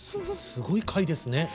すごい会ですね。